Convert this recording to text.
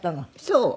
そう。